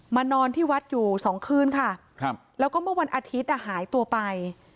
นอนที่วัดอยู่สองคืนค่ะครับแล้วก็เมื่อวันอาทิตย์หายตัวไป